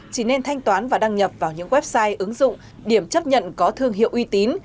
chỉ nên thanh toán và đăng nhập vào những website ứng dụng điểm chấp nhận có thương hiệu uy tín